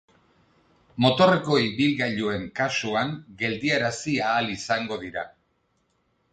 Motorreko ibilgailuen kasuan geldiarazi ahal izango dira.